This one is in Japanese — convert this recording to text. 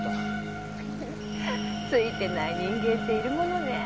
ついてない人間っているものね。